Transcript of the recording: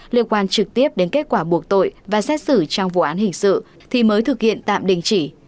liên quan trực tiếp đến kết quả buộc tội và xét xử trong vụ án hình sự thì mới thực hiện tạm đình chỉ